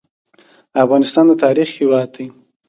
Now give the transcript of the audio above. افغانستان د تاریخ هیواد دی